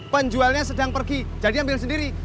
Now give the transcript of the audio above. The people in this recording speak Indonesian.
penjualnya sedang pergi jadi ambil sendiri